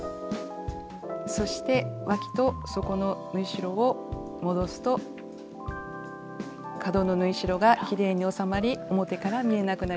そしてわきと底の縫い代を戻すと角の縫い代がきれいに収まり表から見えなくなります。